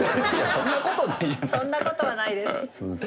そんなことはないです。